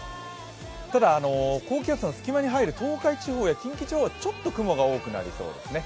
ただ高気圧の隙間に入る東海地方や近畿地方はちょっと雲が多くなりそうですね。